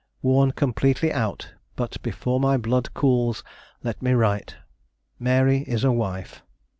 Worn completely out, but before my blood cools let me write. Mary is a wife.